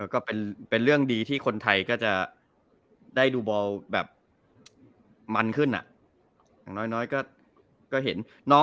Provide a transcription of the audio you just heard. ก็เป็นเรื่องดีที่คนไทยก็จะได้ดูบอลแบบมันขึ้นอย่างน้อยก็เห็น